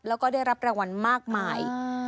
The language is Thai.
แล้วก็ได้รับรางวัลมากมาย